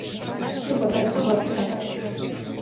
ცურვა დაიწყო რვა წლის ასაკში.